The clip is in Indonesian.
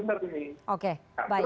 nah ini yang benar ini